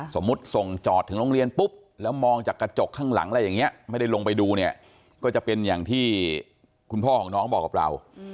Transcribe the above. ส่งจอดถึงโรงเรียนปุ๊บแล้วมองจากกระจกข้างหลังอะไรอย่างนี้ไม่ได้ลงไปดูเนี่ยก็จะเป็นอย่างที่คุณพ่อของน้องบอกกับเรา